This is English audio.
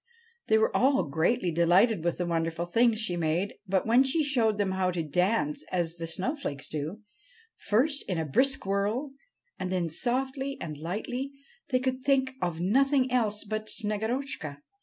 They were all greatly delighted with the wonderful things she made ; but when she showed them how to dance as the snow flakes do, first in a brisk whirl, and then softly and lightly, they could think of nothing else but Snegorotchka.